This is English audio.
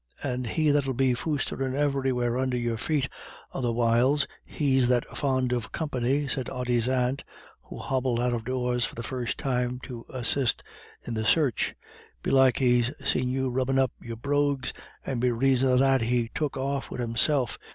"And he that'll be foosterin' everywhere under your feet other whiles, he's that fond of company," said Ody's aunt, who hobbled out of doors for the first time to assist in the search. "Belike he's seen you rubbin' up your brogues, and be raison of that he's took off wid himself.